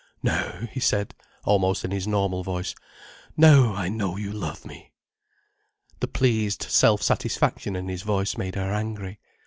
"Now," he said, almost in his normal voice. "Now I know you love me." The pleased self satisfaction in his voice made her angry.